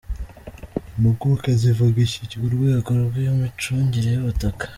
Impuguke zivuga iki ku rwego rw’imicungire y’ubutaka?.